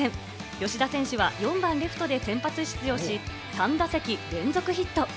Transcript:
吉田選手は４番レフトで先発出場し、３打席連続ヒット。